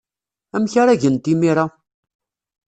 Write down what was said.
Amek ara gent imir-a?